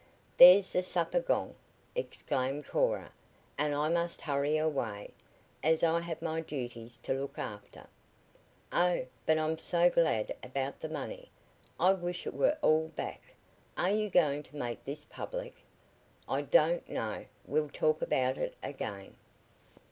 "There's the supper gong!" exclaimed Cora; "and I must hurry away, as I have my duties to look after. Oh, but I'm so glad about the money. I wish it were all back. Are you going to make this public?" "I don't know. We'll talk about it again."